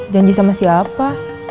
janji sama siapa